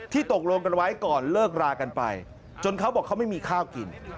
ตกลงกันไว้ก่อนเลิกรากันไปจนเขาบอกเขาไม่มีข้าวกิน